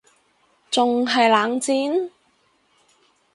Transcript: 仲係冷戰????？